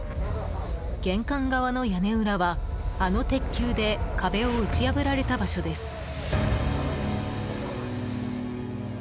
玄関側の屋根裏は、あの鉄球で壁を打ち破られた場所です。